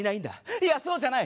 いやそうじゃない。